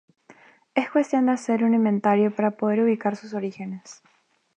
Es cuestión de hacer un inventario para poder ubicar sus orígenes.